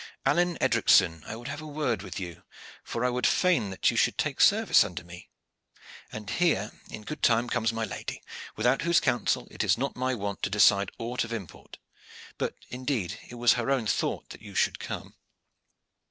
Alleyne Edricson, I would have a word with you, for I would fain that you should take service under me. And here in good time comes my lady, without whose counsel it is not my wont to decide aught of import; but, indeed, it was her own thought that you should come."